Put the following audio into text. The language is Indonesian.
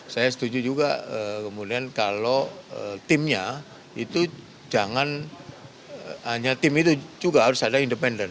saya setuju juga kemudian kalau timnya itu jangan hanya tim itu juga harus ada independen